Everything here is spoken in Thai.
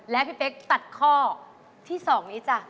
และพี่เป๊กตัดข้อที่๒นี้จ้ะ